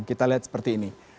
kita lihat seperti ini